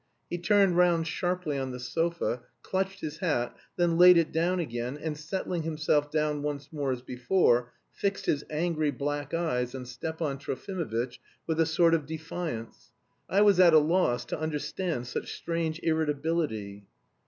He turned round sharply on the sofa, clutched his hat, then laid it down again, and settling himself down once more as before, fixed his angry black eyes on Stepan Trofimovitch with a sort of defiance. I was at a loss to understand such strange irritability.